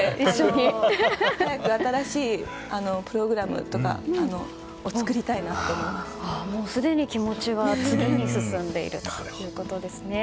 早く、新しいプログラムとかをすでに気持ちは次に進んでいるということですね。